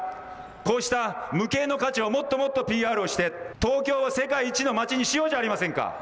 こうした無形の価値をもっともっとＰＲをして東京を世界一の街にしようじゃありませんか。